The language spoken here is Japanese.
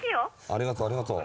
ありがとありがと。